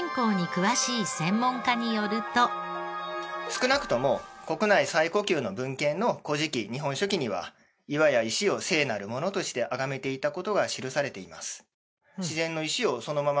少なくとも国内最古級の文献の『古事記』『日本書紀』には岩や石を聖なるものとして崇めていた事が記されています。